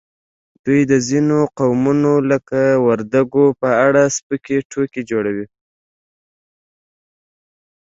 دوی د ځینو قومونو لکه وردګو په اړه سپکې ټوکې جوړوي